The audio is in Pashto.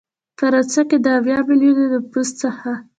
فرانسه کې د اویا ملیونه نفوس څخه